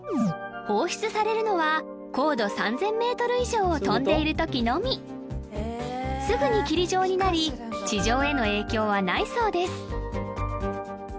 放出されるのは高度３０００メートル以上を飛んでいるときのみすぐに霧状になり地上への影響はないそうです